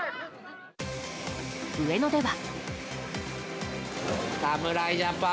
上野では。